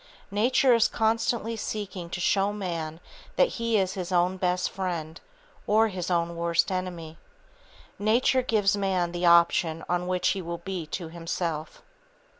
Nature is constantly seeking to show man that he is his own best friend, or his own worst enemy. Nature gives man the option on which he will be to himself.